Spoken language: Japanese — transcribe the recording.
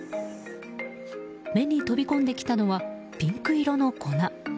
目に飛び込んできたのはピンク色の粉。